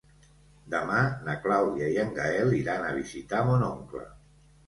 Demà na Clàudia i en Gaël iran a visitar mon oncle.